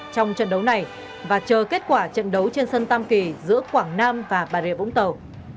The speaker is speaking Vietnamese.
trong trận đấu này và chờ kết quả trận đấu trên sân tam kỳ giữa quảng nam và bà rịa vũng tàu